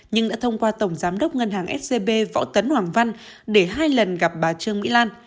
nhưng đã thông qua tổng giám đốc ngân hàng scb võ tấn hoàng văn để hai lần gặp bà trương mỹ lan